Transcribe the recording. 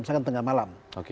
misalkan tengah malam